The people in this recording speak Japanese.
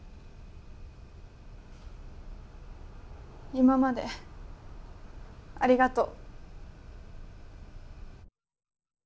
今までありがとう。